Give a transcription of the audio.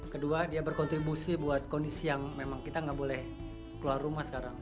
kedua dia berkontribusi buat kondisi yang memang kita nggak boleh keluar rumah sekarang